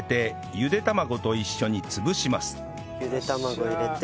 ゆで卵入れて。